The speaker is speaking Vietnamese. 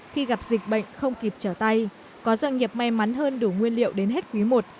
khi gặp dịch bệnh không kịp trở tay có doanh nghiệp may mắn hơn đủ nguyên liệu đến hết quý i